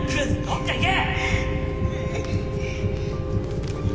どっか行け！